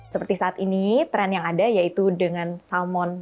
seperti saat ini tren yang ada yaitu dengan salmon dna